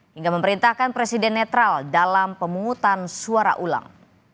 hingga memerintahkan presiden netral dalam pemungutan suara ulang